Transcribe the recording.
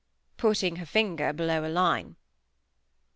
putting her finger below a line.